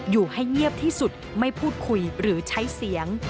อยู่ให้เงียบที่สุดไม่พูดคุยหรือใช้เสียง